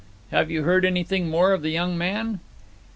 'Have you heard anything more of the young man?'